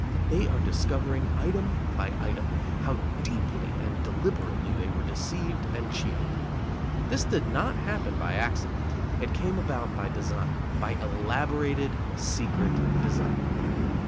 They are discovering item by item how deeply and deliberately they were deceived and cheated. This did not happen by accident; it came about by design, by elaborated, secret design.